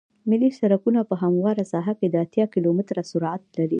ملي سرکونه په همواره ساحه کې د اتیا کیلومتره سرعت لري